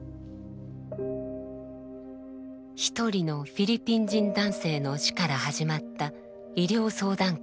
一人のフィリピン人男性の死から始まった医療相談会。